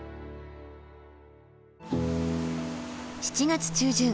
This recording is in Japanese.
７月中旬。